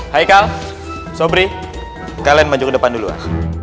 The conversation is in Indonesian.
haikal sobri kalian maju ke depan duluan